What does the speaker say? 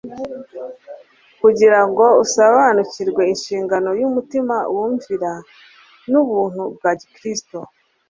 kugira ngo asobanukirwe inshingano y'umutima wumvira n'ubuntu bwa gikristo.